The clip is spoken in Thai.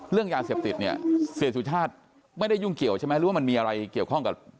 เรื่องยาเสพติดเนี่ยเสียสุชาติไม่ได้ยุ่งเกี่ยวใช่ไหมหรือว่ามันมีอะไรเกี่ยวข้องกับ